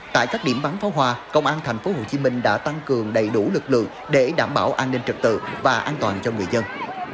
tại các điểm bắn pháo hoa công an thành phố hồ chí minh đã tăng cường đầy đủ lực lượng để đảm bảo an ninh trực tự và an toàn cho người dân